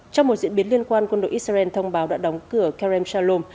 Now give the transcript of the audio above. trong một diễn biến liên quan quân đội israel thông báo đã đóng cửa kerem salom